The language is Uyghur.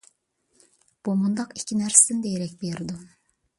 بۇ مۇنداق ئىككى نەرسىدىن دېرەك بېرىدۇ.